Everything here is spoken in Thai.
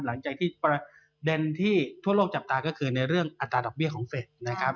หลังจากที่ประเด็นที่ทั่วโลกจับตาก็คือในเรื่องอัตราดอกเบี้ยของเฟสนะครับ